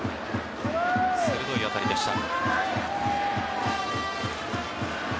鋭い当たりでした。